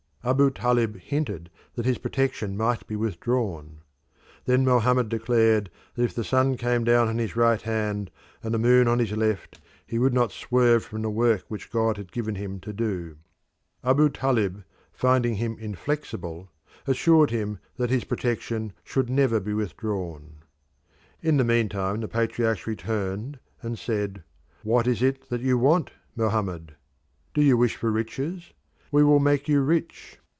Abu Talib hinted that his protection might be withdrawn. Then Mohammed declared that if the sun came down on his right hand and the moon on his left he would not swerve from the work which God had given him to do. Abu Talib, finding him inflexible, assured him that his protection should never be withdrawn. In the meantime the patriarchs returned and said, "What is it that you want, Mohammed? Do you wish for riches? We will make you rich.